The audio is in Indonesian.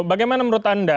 bagaimana menurut anda